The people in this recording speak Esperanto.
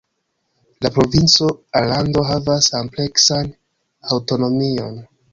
La provinco Alando havas ampleksan aŭtonomion.